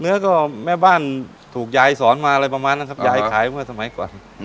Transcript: เนื้อก็แม่บ้านถูกยายสอนมาอะไรประมาณนั้นครับยายขายเมื่อสมัยก่อน